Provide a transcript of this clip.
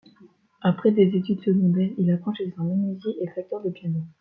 Après des études secondaires, il apprend chez un menuisier et facteur de piano.